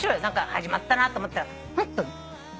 何か始まったなと思ったらフッと。